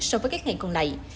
so với các ngày còn lại